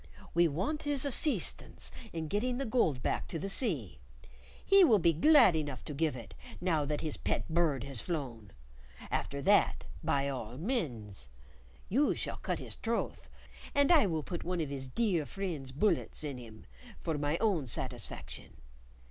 We want his asseestance in getting the gold back to the sea; he will be glad enough to give it, now that his pet bird has flown; after that by all mins. You shall cut his troth, and I will put one of 'is dear friend's bullets in 'im for my own satisfaction."